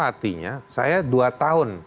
artinya saya dua tahun